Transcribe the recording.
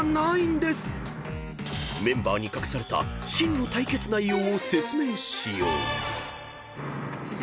［メンバーに隠された真の対決内容を説明しよう］